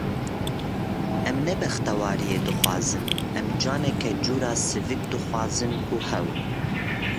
Em ne bextewariyê dixwazin, em janeke cure sivik dixwazin û hew.